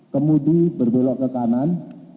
kemudi berbelok ke kanan